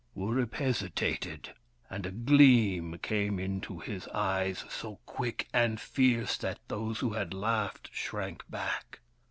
Wurip hesitated, and a gleam came into his eyes, so quick and fierce that those who had laughed shrank back.